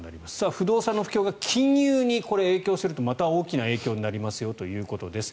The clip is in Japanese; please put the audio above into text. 不動産の不況が金融に影響するとまた大きな影響になりますよということです。